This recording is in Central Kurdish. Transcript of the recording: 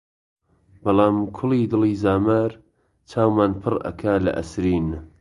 بەڵام کوڵی دڵی زامار، چاومان پڕ ئەکا لە ئەسرین!